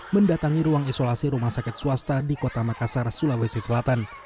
mendatangi ruang isolasi rumah sakit swasta di kota makassar sulawesi selatan